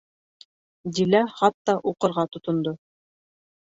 Дилә хатты уҡырға тотондо: